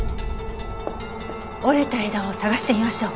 折れた枝を探してみましょう。